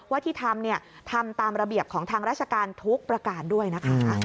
ที่ทำทำตามระเบียบของทางราชการทุกประการด้วยนะคะ